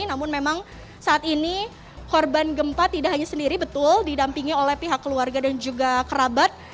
namun memang saat ini korban gempa tidak hanya sendiri betul didampingi oleh pihak keluarga dan juga kerabat